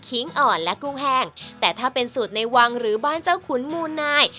ิ้งอ่อนและกุ้งแห้งแต่ถ้าเป็นสูตรในวังหรือบ้านเจ้าขุนมูนาย